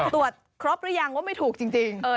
ตรวจครบหรือยังว่าไม่ถูกจริง